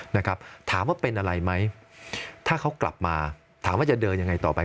นะครับถามว่าเป็นอะไรไหมถ้าเขากลับมาถามว่าจะเดินยังไงต่อไป